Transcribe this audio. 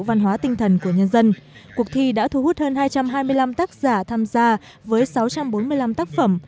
văn hóa tinh thần của nhân dân cuộc thi đã thu hút hơn hai trăm hai mươi năm tác giả tham gia với sáu trăm bốn mươi năm tác phẩm